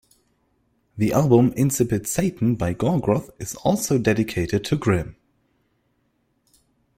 The album "Incipit Satan" by Gorgoroth is also dedicated to Grim.